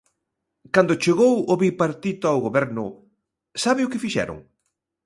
Cando chegou o Bipartito ao Goberno, ¿sabe o que fixeron?